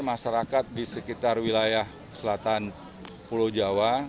masyarakat di sekitar wilayah selatan pulau jawa